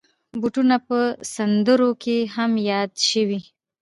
بوټونه په سندرو کې هم یاد شوي.